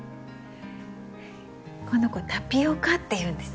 この子タピオカっていうんです。